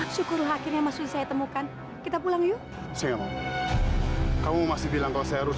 syukur akhirnya masuk saya temukan kita pulang yuk kamu masih bilang kalau saya harus